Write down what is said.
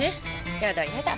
やだやだ。